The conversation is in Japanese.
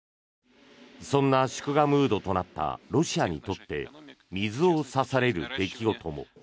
そんな祝賀ムードとなったロシアにとって水を差される出来事も。